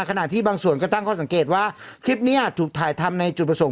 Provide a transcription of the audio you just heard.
ขณะที่บางส่วนก็ตั้งข้อสังเกตว่าคลิปนี้ถูกถ่ายทำในจุดประสงค